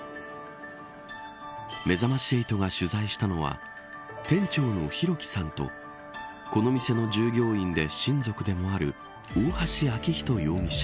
めざまし８が取材したのは店長の弘輝さんとこの店の従業員で親族でもある大橋昭仁容疑者。